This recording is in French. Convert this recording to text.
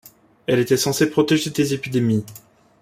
Elle était censée protéger des épidémies.